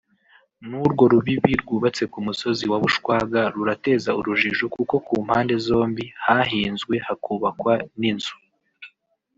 n’urwo rubibi rwubatse ku musozi wa Bushwaga rurateza urujijo kuko ku mpande zombi hahinzwe hakubakwa n’inzu